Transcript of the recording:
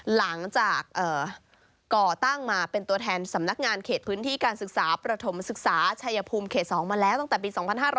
หลังจากก่อตั้งมาเป็นตัวแทนสำนักงานเขตพื้นที่การศึกษาประถมศึกษาชัยภูมิเขต๒มาแล้วตั้งแต่ปี๒๕๕๙